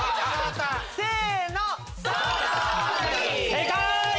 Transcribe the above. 正解！